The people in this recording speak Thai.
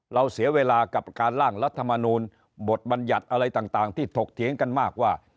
เสียเวลากับการล่างรัฐมนูลบทบัญญัติอะไรต่างที่ถกเถียงกันมากว่า